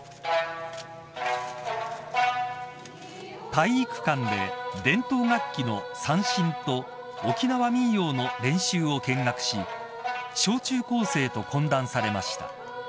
［体育館で伝統楽器の三線と沖縄民謡の練習を見学し小中高生と懇談されました］